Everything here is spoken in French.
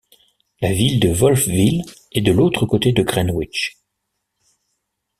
La ville de Wolfville est de l'autre côté de Greenwich.